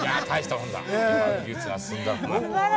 今の技術が進んだんだな。